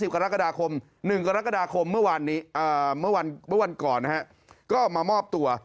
กรกฎาคม๑กรกฎาคมเมื่อวันก่อนนะฮะก็มามอบตัว